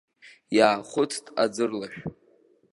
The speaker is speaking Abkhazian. Иаахәыцт аӡырлашә.